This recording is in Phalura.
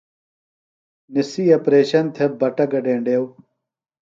نِسی اپریشن تھےۡ بٹہ گڈینڈیو۔